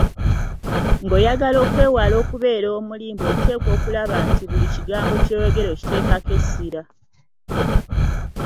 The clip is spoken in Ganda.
Ng'oyagala okwewala okubeera omulimba oteekwa okulaba nti buli kigambo ky'oyogera okiteekako essira.